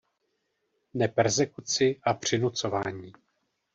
Ne persekuci a přinucování.